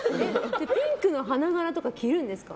ピンクの花柄とか着るんですか。